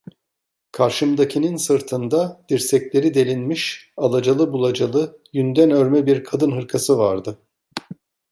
Karşımdakinin sırtında, dirsekleri delinmiş, alacalı bulacalı, yünden örme bir kadın hırkası vardı.